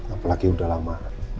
apalagi udah lama